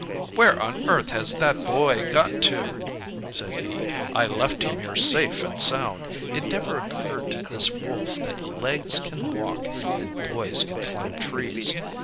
"Where on earth has that Boy got to?" said he; "I left him here safe and sound." It never occurred to this Wolf that legs can walk, and Boys can climb trees.